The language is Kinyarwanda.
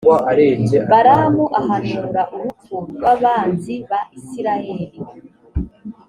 balamu ahanura urupfu rw’abanzi ba israheli.